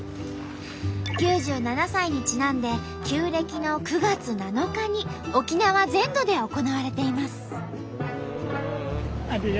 ９７歳にちなんで旧暦の９月７日に沖縄全土で行われています。